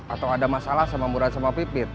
atau ada masalah sama murah sama pipit